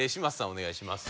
お願いします。